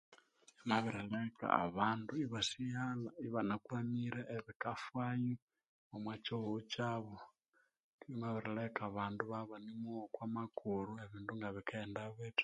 Byamabirileka abandu ibasighala ibanakwamire ebikafwayo omwokihugho kyabo byamabirileka abandu ibabya ibanimwowa okwamakuru ebindu ngabikaghenda bithi